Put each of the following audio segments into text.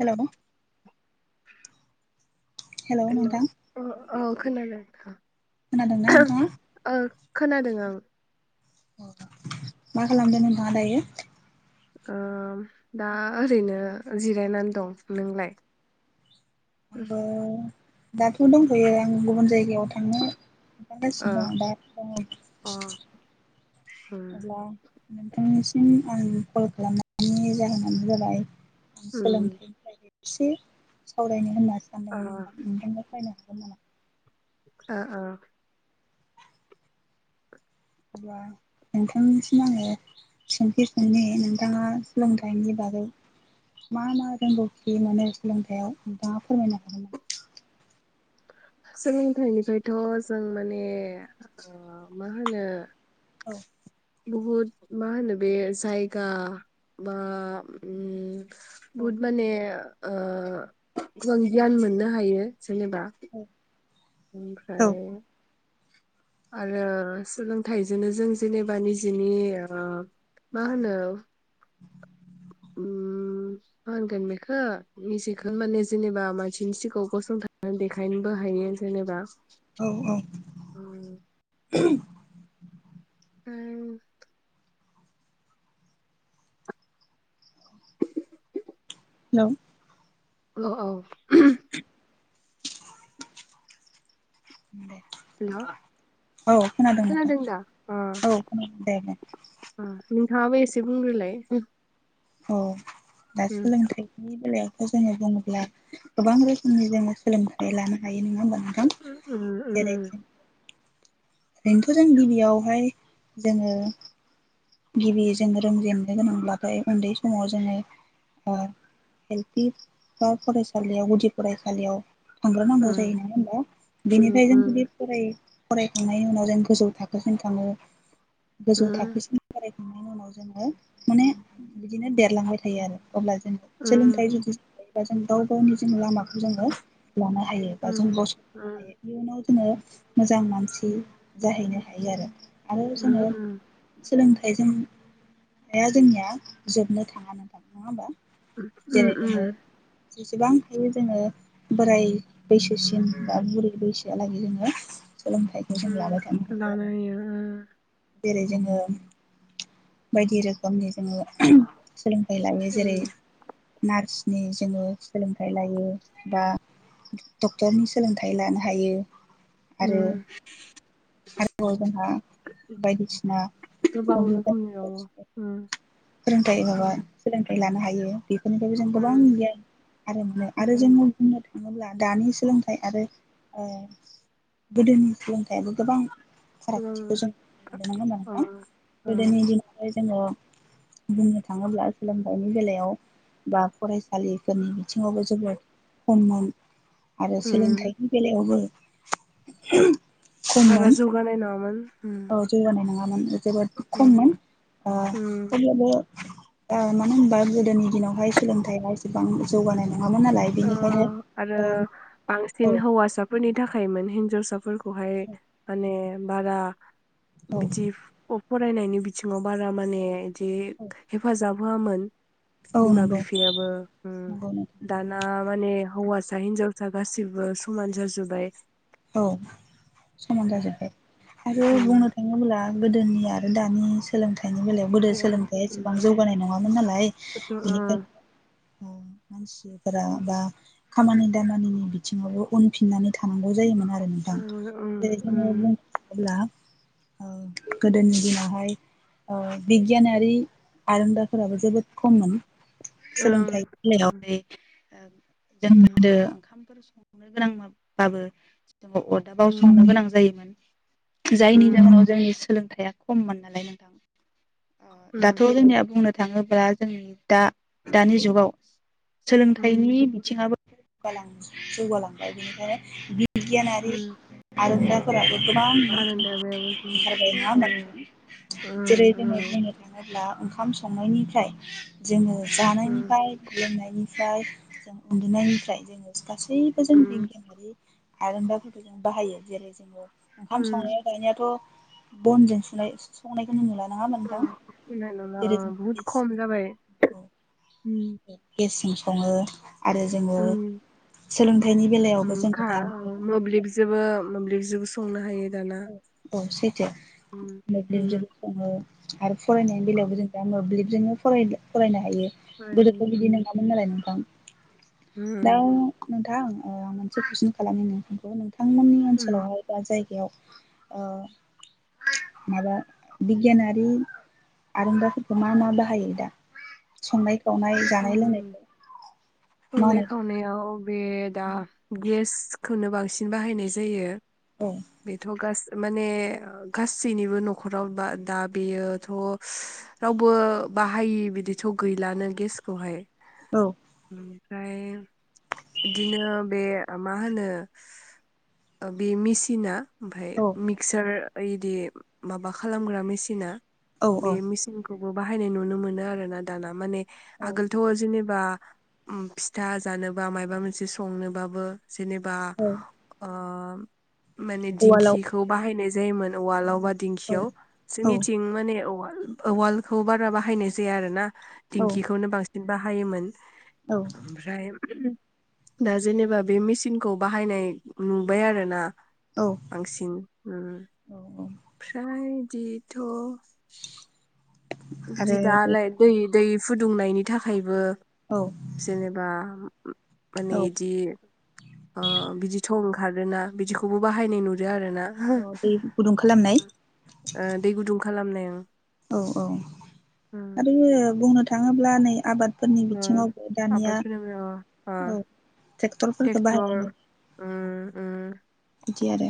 Hello. Hello ओ औ। खोनादो नोंथां खोनादोंना नोंथाङा। खोनादों आं। मा खालामदो नोंथाङा दायो? ओ दा ओरैनो जिरायनानै दं नोंलाय? [inaudible] आंबो दाथ दंफैयो आं गुबुन जायगायाव। थांनो ओ ओंखारगासिनो दं दा अ दं। उम अब्ला। नोंथांनिसिम आं कल खालामनायनि जाहोनानो जाबाय आं उम सोलोंथाइनिफ्रायनो इसे सावरायनो होननानै ओ सानदोंमोन नोंथां [unintelligible] [inaudible] ओ ओ अब्ला नोंथांनिसिम आङो सोंथि सोंनि नोंथाङा सोलोंथाइनि बागै मा मा रोंगौथि मोनो सोलोंथायाइयाव नोंथाङा फोरमायनो हागोन नामा? सोलोंथाइनिफ्रायथ जों माने ओ मा होनो औ। बुहुद मा होनो बे जायगा बा ओम औ बहुत माने ओ गोबां गियान मोननो हायो। जेनेबा। औ औ ओमफ्राय आरो सोलोंथाइजोंनो जों जेनेबा निजिनि ओ मा होनो उम मा होनगोन बेखौ निजिखो माने जेनेबा मानसिनि सिगाङाव गसंथानानै देखायनोबो हायो जेनेबा। औ औ। उम। [unintelligible] उम। हेलौ। औ औ। [unintelligible] दे हेल' औ खोनादों नोंथां दा अ औ खोनादों दे दे। अ नोंथाङाबो एसे बुंग्रोलाय औ दा उम सोलोंथाइनि बेलायाव जोङो बुंङोब्ला गोबां रोखोमनि जोङो सोलोंथाइ लानो हायो नङा होमबा। उम जेरै उम ओरैनोथ जों गिबियावहाय जोङो गिबि जों रोंजेननो गोनांब्लाथाय उन्दै समाव जोङो ओ एलपि आव फरायसालियाव गुदि फरायसालियाव थांग्रोनांगौ उम जायो नङा होनबा उम बेनिफ्राय जों जुदि फरायो। फरायखांनायनि उनाव जों गोजौ थाखोसिम थाङो। उम गोजौ थाखोसिम फरायखांनायनि उनाव जोङो माने बिदिनो देरलांबाय थायो आरो। अब्ला जोङो उम सोलोंथाइ जुदिसोलायो बा जों गाव गावनि जों लामाखौ जोङो लानो हायो बा जों उम गसंथानो हायो इयुनाव जों मोजां मानसि जाहैनो हायो आरो। आरो जोङो उम सोलोंथाइजों रोंनाया जोंनिया जोबनो थाङा नोंथां नङा होमबा उम जेरै उम जोङो जेसेबां हायो जोङो बोराय बैसोसिम बा बुरै बैसो आ लागे जोङो सोलोंथाइखौ जों लानो थानो उम हायो लानो आरो। जेरै जोङो बायदि रोखोमनि जोङो उम सोलोंथाइ लायो उम जेरै नार्स। नि जोङो सोलोंथाइ लायो बा डक्टरनि सोलोंथाइ लानो हायो। आरो उम। आरोबाव जोंहा बायदिसिना गोबां कफ्मिउटार रोखोमनि दङ फोरोंथायाइ हाबा उम सोलोंथाइ। लानो हायो बे बेफोरनिफ्रायबो जों गोबां उम गियान आरो मोनो आरो जोङो उम बुंनो थाङोब्ला थखङोब्ला दानि सोलोंथाइ आरो ओ गोदोनि सोलोंथाइयाबो गोबां फारागथिखौ गोबां जों नुनो मोनदोंमोन अ आरो ना गोदोनि दिनावहाय। जोङो। बुंनो थाङोब्ला सोलोंथाइनि बेलायाव बा फरायसालिफोरनि बिथिङावबो जोङो खममोन। आरो ओ सोलोंथाइनि बेलायावबो। उह्म। बारा जौगानाय नंङामोन। औ जौवानाय नङा। [unintelligible] जोबोद उम खममोन ओ उम अेब्लाबो। ओ मानो होनबा गोदोनि दिनावहाय सोलोंथाइआ एसेबां जौगानाय। नङामोन नालाय ओ बेनिखायनो आरो ओम बांसिन औ। हौवासाफोरनि थाखायमोन हिनजावसाफोरखौ खौहाय माने। बाबा। औ बिदिप अप। फरायनायनि बिथिङाव बारा माने। जे हेफाजाब मामोन? औ बिमा नंगौ बिफायाबो ओम। नंगौ नोंथां आ माने हौवासा हिनजावसा गासिबो समान जाजोब्बाय। औ समान जाजोबबाय। आरो उम बुंनो थाङोब्ला गोदोनि आरो दानि सोलोंथाइ लानायनि बेलायाव गोदो सोलोंथाइ एसेबां जौगानाय नङामोन नालाय बेनिखायनो मानसिफोरा बा खामानि दामानिनि बिथिङावबो उनफिननानै थानांग जायोमोन आ नोंथां जेरै जोङो बुंनो थाङोब्ला औ गोदोनि दिनावहाय बिगियानारि आरोंदाफोराबो जोबोद खममोन। सोलोंथाइनि बेलायावहाय ओ जों गोदो ओंखामफोर सं संनो गोनांबाबो जोङो अरदाबाव संनो गोनां जायोमोन। जायनि जाहोनाव जोंनि सोलोंथाइया खममोन नालाय नोंथां। दाथ जोंनिया बुंनो थाङोब्ला जोंनि दा दानि जुगाव सोलोंथाइनि बिथिङाबो जौगालांबाय बिनिखायनो बिगयानारि आरोंदा फोराबो गोबां ओंखारबाय नङा होनबा नोंथां जेरै दिनै बुंनो थाङोब्ला ओंखाम संनायनिफ्राय जोङो जानायनिफ्राय लोंनायनि फ्राय जों उन्दुनायनिफ्राय जोङो गासैबो जों बिगियानारि आरोंदाफोरखौ जों बाहायो जेरै जोङो ओंखाम संनाया गायनायाथ बनजों सनाय संनायखौनो नुला नङा होमबा नोंथां [unintelligible] जेरै जों बहुत खम जाबाय गेसजों सङो आरो जोङो उम, सोलोंथाइनि उम, बेलायावबो खा जोङो दा मोब्लिबजोबो मोब्लिबजोबो संनो हायो। दाना औ औ सैथो उम, उम, मोब्लिबजों सङो आरो फरायनायनि उम, बेलायावबो जों दा मोब्लिब जोङो फरायनो फरायनो हायो। गोदोथ बिदि उम, नङामोन नालाय नोंथां। उम, दाउ नोंथां अ मोनसे कैसन खालामनि नोंथांखौ नोंथां? नोथांमोननि उम, ओनसोलावहाय बा जायगायाव ओ माबा बिगियानारि आरुंदाफोरखौ मा मा बाहायो दा? संनाय संनाय जानाय उम लोंनायखौ संनाय मावनाय खावनायाव बे दा गेसखौनो बांसिन बाहायनाय जायो। औ बेथ गास माने गासैनिबो नखराव बा दा बेयोथ रावबो बाहायि बिदिथ गैलानो गेसखौहाय। औ ओमफ्राय बिदिनो बे मा होनो बे मेसिना ओमफाय औ मिक्सार ऐ दि माबा खालामग्रा मेसिना बे औ मिसिन खौबो बाहायनाय नुनो मोनो आरोना दाना माने औ आगोलथ जेने बा उम फिथा जानोबा मायबा मोनसे संनोबाबो जेनेबा औ अ [unintelligible] माने उवालाव दिंखिखौ बाहायनाय जायोमोन औवालावबा औ दिंखियाव औ जोंनिथिं माने औवाल औवालखौ बारा बाहायनाय जाया आरो ना। दिंखिखौनो बांसिन बाहायोमोन। औ ओमफ्राय दा जेनेबा बे मेचिनखौ बाहायनाय नुबाय आरो ना। औ बांसिन उम औ औ फ्राय बिदिथ' आरो बे [unintelligible] दै फुदुंनायनि थाखायबो औ जेनेबा माने औ एदि ओ बिदि थ खारोना बिदिखौबो बाहायनाय नुदों आरो ना ओ औ दै गुदुं खालामनाय दै गुदुं खालामनायाव उम औ औ आरो बुंनो थाङोब्ला नै आबाद फोरनि बिथिङावबो आबाद दानिया फोनायाव ओ औ ट्रेक्टरफोरखौ ट्रेक्टर बाहायनाय नुयो। उम उम बिदि आरो।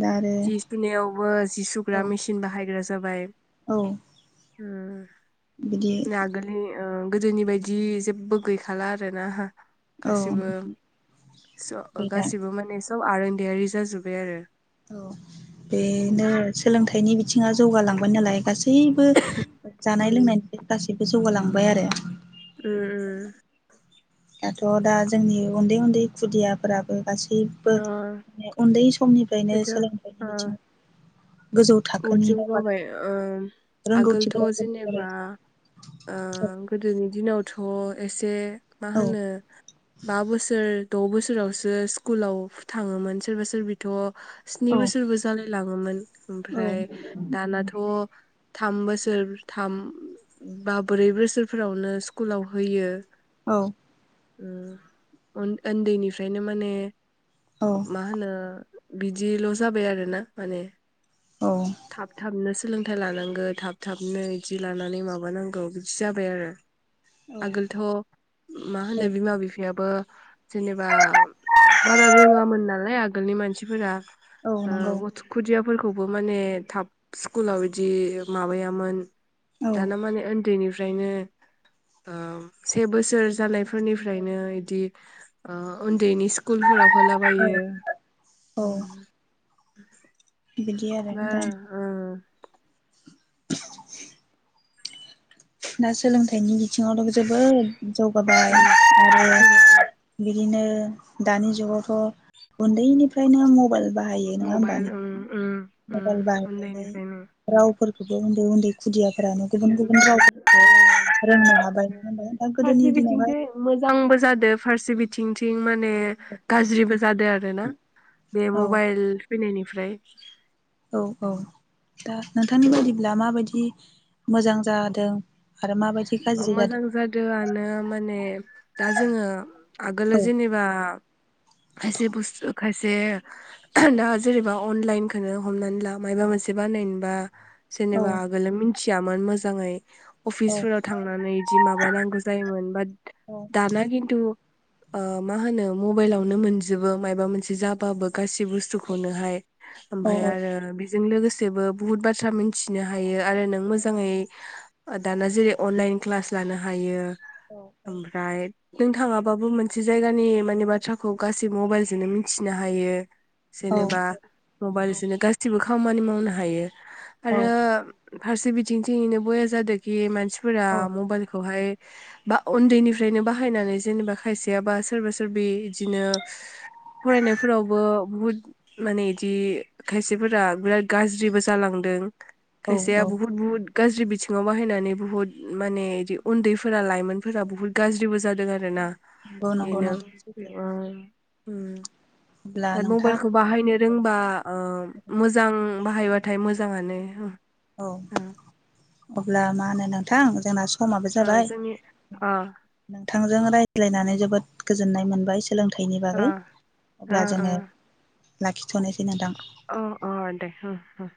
दा आरो जि सुनायावबो जि औ सुग्रा मेसिन बाहायग्रा जा जाबाय औ बिदि उम नागोलि ओ गोदोनि बायदि जेबो गैखाला आरोना। औ गासिबो स' गैला गासिबो माने सब आरोनदायारि जाजोबबाय आरो औ बेनो उम सोलोंथाइनि बि थिङा जौगालांबाय नालाय गासैबो जानाय उम लोंनायनि गासैबो जौगालांबाय आरो उम उम दाथ' दा जोंनि उन्दै उन्दै खुदियाफोराबो गासैबो अ मे उन्दै समनिफ्रायनो सोलोंथाइनि बिथिङाव गोजौ बुहुत थाखोनि जौगाबाय दावगालांनो ओ आगोलथ' रोंगौथिफोरा गोनां जाबाय जेनेबा ओ गोदोनि दिनाव थ' एसे मा औ होनो बा बोसोर द' बोसोरावसो स्कुलाव थाङोमोन सोरबा सोरबिथ' स्नि औ बोसोरबो जालाय लाङोमोन औ ओमफ्राय दानाथ' थ' थाम बोसोर थाम बा ब्रै बोसोरफोरावनो स्कुलाव होयो। औ उम उन ओन्दैनिफ्रायनो माने माहोनो बिदिल जाबाय आरोना माने औ थाब थाब नो सो सोलोंथाइ लानांगो थाब थाबनो इदि लानानै माबानांगौ बिदि जाबाय आरो आगोलथ' मा होनो बिमा बिफायाबो जेनेबा बारा रोङामोन नालाय आगोलनि मानसिफोरा औ ओ नंगौ गथ' खुदिया फोरखौबो माने थाब स्कुलाव इदि माबायामोन औ दाना माने उन्दैनि फ्रायनो ओ से बोसोर जानाय फो फोरनिफ्रायनो इदि ओ ओ दैनि स्कुलफोराव होलाबायो औ उम। [inaudible] बिदि आरो बा दा ओ [inaudible] ना सोलोंथाइनि गि बिथिङावनो जोबोद जौगाबाय आरो ओ बिदिनो ओं दानि जुगावथ उन्दैनिफ्रायनो मबाइल बाहायो नंङा होनबा मबाइल ओं नोंथां ओं ओं मबाइल बाहायनानै उन्दैनिफ्रायनो रावफोर उन्दै उन्दै खुदियाफ्रानो गुबुन गुबुन राव जोङो औ रोंनो हाबाय जोङो होनदो दा गोदोनि फारसे दिनावहाय बिथिंजाय मोजांबो जादो फारसे बिथिंथिं माने गाज्रिबो जादों आर ना बे औ मबाइल फैनायनिफ्राय। औ औ दा दा नोंथांनि बायदिब्ला मा बायदि मोजां जादों आरो माबायदि गाज्रि मोजां जादों? जादोआनो माने दा जोङो आगोल औ जेनेबा खायसे बुस्थु खायसे दा जेनेबा अनलाइनखौनो हमनानै ला मायबा मोनसे बानायनोबा जेनेबा औ आगोल मिन मिथियामोन मोजाङै। औ अफिसफोराव थांनानै बिदि माबा नांगौ जायोमोन बात दाना खिन्थु ओ मा होनो मबाइलावनो मोनजोबो माबा मोनसे जाबाबो गासै बुस्थुखौनोहाय। औ ओमफाय नंगौ आरो बे जों लोगोसेबो बुहुत बाथ्रा मिथिनो हायो आरो नों मोजाङै दाना जेरै अनलाइन क्लास लानो हायो औ ओमफ्राय नों थाङाबाबो मोनसे जायगानि माने बाथ्राखौ गासै मबाइलजोंनो मिथिनो हायो। जेनेबा मबाइल बिदिनो गासिबो खामानि मावनो हायो। औ आरो फारसे बि थिंयैनो बया जादों कि मानसिफोरा औ मबाइलखौहाय बा उन्दैनिफ्रायनो बाहायनानै जेनेबा खायसेय बा सोरबा सोरबि बिदिनो फरायनायफोरावबो बुहुद माने बिदि खायसेफोरा बिराद गाज्रिबो जालांदों। खायसेया औ बहुत बहुत गाज्रि थिंआव बाहायनानै बुहुत माने इदि उन्दैफोरा लाइमोनफोरा बुहुत गाज्रिबो जादों आरो ना। नंगौ नंगौ बेनो नोंथां सैथो ओं ओम अब्ला बाद नोंथां मबाइलखौ बाहायनो रोंबा ओ मोजां बाहायबाथाय मोजाङानो ओम। औ अब्ला मा होनो नोंथां जोंना सम माबो ओ जाबाय। जोंनि अ नोंथांजों रायज्लायनानै जोबोद गोजोननाय मोनबाय। सोलोंथाइनि अ बागै अब्ला जोङो ओ लाखिथ'नोसै नोंथां। अ अ दे होम होम।